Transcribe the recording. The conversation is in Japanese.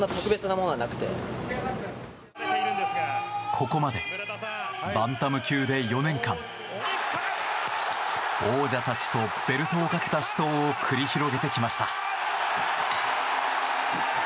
ここまでバンタム級で４年間王者たちとベルトをかけた死闘を繰り広げてきました。